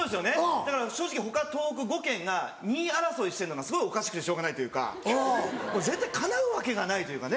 だから正直他東北５県が２位争いしてんのがすごいおかしくてしょうがないというか絶対かなうわけがないというかね。